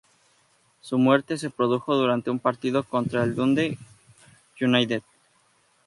Su muerte se produjo durante un partido contra el Dundee United.